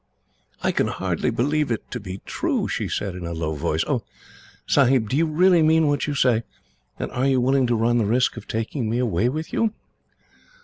"I can hardly believe it to be true," she said, in a low voice. "Oh, Sahib, do you really mean what you say? And are you willing to run the risk of taking me away with you?"